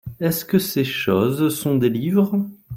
Est-ce que ces choses sont des livres ?